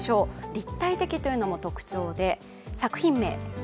立体的というのも特徴です。